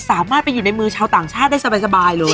สามารถไปอยู่ในมือชาวต่างชาติได้สบายเลย